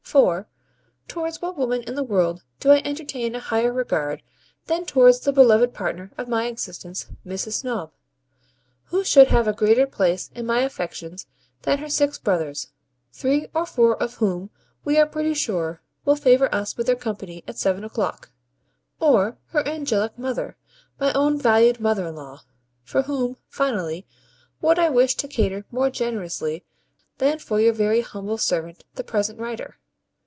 For, towards what woman in the world do I entertain a higher regard than towards the beloved partner of my existence, Mrs. Snob? Who should have a greater place in my affections than her six brothers (three or four of whom we are pretty sure will favour us with their company at seven o'clock), or her angelic mother, my own valued mother in law? for whom, finally, would I wish to cater more generously than for your very humble servant, the present writer?